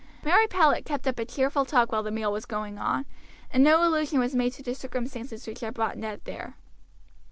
Mary Powlett kept up a cheerful talk while the meal was going on, and no allusion was made to the circumstances which had brought Ned there.